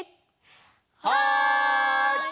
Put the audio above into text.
はい！